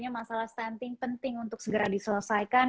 saya pikir masalah stunting penting untuk segera diselesaikan